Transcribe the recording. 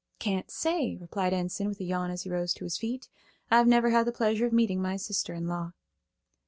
"Can't say," replied Enson, with a yawn as he rose to his feet. "I've never had the pleasure of meeting my sister in law."